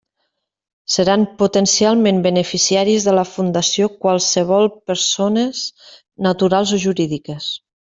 Seran potencialment beneficiaris de la fundació qualssevol persones naturals o jurídiques.